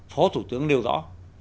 phó thủ tướng nêu rõ